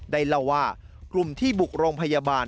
เล่าว่ากลุ่มที่บุกโรงพยาบาล